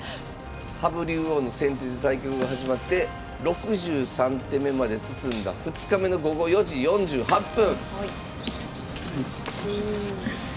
羽生竜王の先手で対局が始まって６３手目まで進んだ２日目の午後４時４８分。